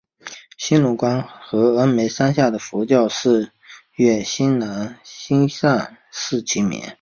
兴隆观和峨嵋山下的佛教寺院兴善寺齐名。